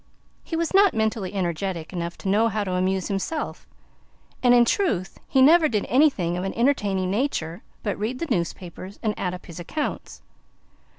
He was not mentally energetic enough to know how to amuse himself, and in truth he never did anything of an entertaining nature but read the newspapers and add up his accounts.